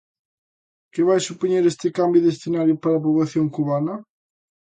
Que vai supoñer este cambio de escenario para a poboación cubana?